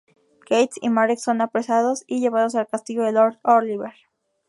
Kate y Marek son apresados y llevados al castillo de Lord Oliver.